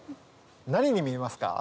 何に見えますか？